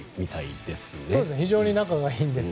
非常に仲がいいんです。